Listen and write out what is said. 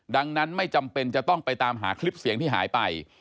ดังนั้นไม่จำเป็นจะต้องไปตามหาคลิปเสียงที่หายไป